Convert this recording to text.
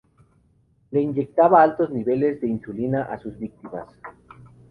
Le inyectaba altos niveles de insulina a sus víctimas.